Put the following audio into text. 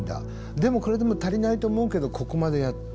でもこれでも足りないと思うけどここまでやった。